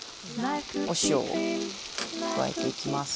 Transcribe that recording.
お塩を加えていきます。